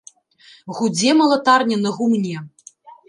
Гудзе малатарня на гумне.